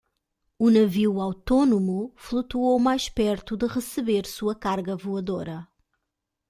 O navio autônomo flutuou mais perto de receber sua carga voadora.